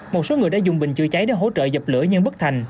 một số người đã dùng bình chữa cháy để hỗ trợ dập lửa nhưng bất thành